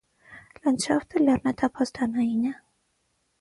Լանդշաֆտը լեռնատափաստանային է։